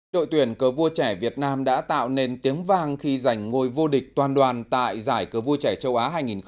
đội tuyển cờ vua trẻ việt nam đã tạo nên tiếng vang khi giành ngôi vô địch toàn đoàn tại giải cờ vua trẻ châu á hai nghìn một mươi chín